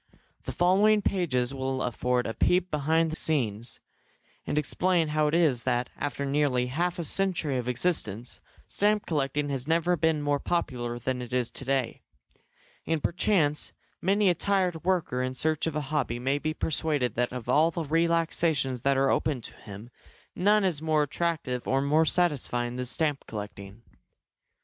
The following pages will afford a peep behind the scenes, and explain how it is that, after nearly half a century of existence, stamp collecting has never been more popular than it is to day. And perchance many a tired worker in search of a hobby may be persuaded that of all the relaxations that are open to him none is more attractive or more satisfying than stamp collecting.